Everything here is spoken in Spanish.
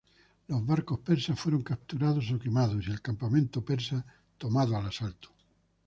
Los barcos persas fueron capturados o quemados, y el campamento persa, tomada al asalto.